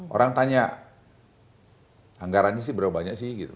orang tanya anggarannya sih berapa banyak sih gitu